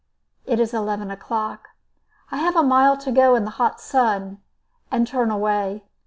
It is eleven o'clock. I have a mile to go in the hot sun, and turn away.